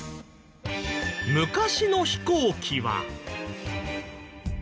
昔の飛行機は。